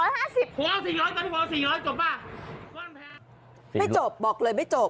ไม่จบบอกเลยไม่จบ